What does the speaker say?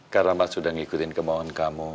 karena mas sudah ngikutin kemohon kamu